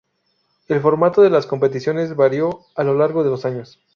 El formato de las competiciones varió a lo largo de los años.